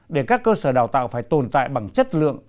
để các cơ sở đào tạo phải tồn tại bằng chất lượng